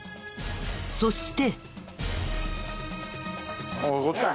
そして。